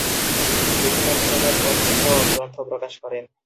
বিভিন্ন ধরনের পঞ্জিকা ও গ্রন্থ প্রকাশ করেন।